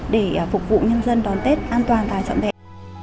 để phục vụ nhân dân đón tết an toàn tại trọn vẹn